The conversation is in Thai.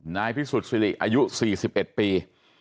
พิสุทธิ์สิริอายุ๔๑ปี